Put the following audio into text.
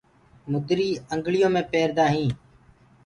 مُدري انگݪِيآ مي پيريٚ جآنٚديٚ هي